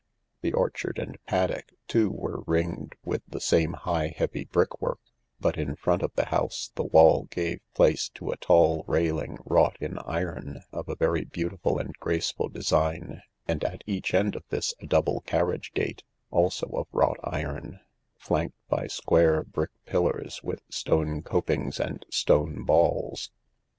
The orchard and paddock, too, were ringed with the same high, heavy brickwork, but in front of the house the wall gave place to a tall railing wrought in iron of a very beautiful and graceful design, and at each end of this a double carriage gate, also of wrought iron, flanked by square brick pillars with stone coping and stone balls.